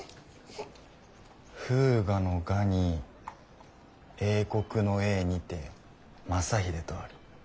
「風雅の『雅』に英国の『英』にて『雅英』」とある。